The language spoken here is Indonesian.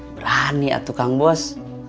berani kang bos